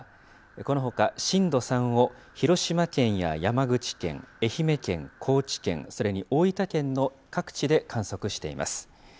このほか震度３を広島県や山口県、愛媛県、高知県、それに大分県の各地で観測しています。